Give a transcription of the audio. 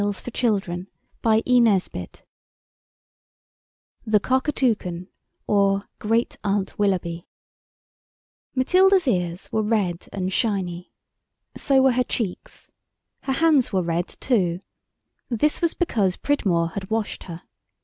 _" 279 NINE UNLIKELY TALES THE COCKATOUCAN OR GREAT AUNT WILLOUGHBY MATILDA'S ears were red and shiny. So were her cheeks. Her hands were red too. This was because Pridmore had washed her.